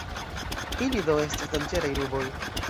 Ili do estas danĝeraj ruboj.